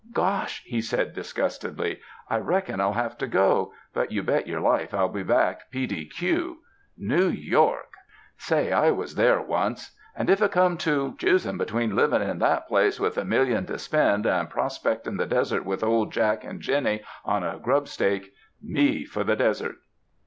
*'6osh!" he said disgustedly, "I reckon I'll have to go, but you bet your life I '11 be back p. d. q. New York! Say, I was there once, and if it come to 9 THE DESERTS choosin' between livin' in that place with a million to spend, and prospectin' the desert with old Jack and Jinny on a grubstake, me for the desert!"